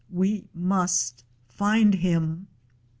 We must find him!"